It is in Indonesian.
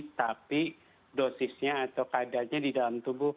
tetapi dosisnya atau kadarnya di dalam tubuh